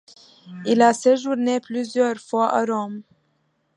Il a séjourné plusieurs fois à Rome.